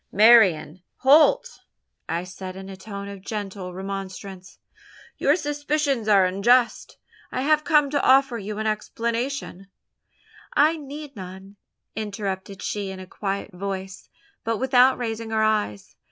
"Marian Holt!" I said, in a tone of gentle remonstrance, "your suspicions are unjust; I have come to offer you an explanation " "I need none," interrupted she in a quiet voice, but without raising her eyes.